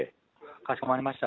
かしこまりました。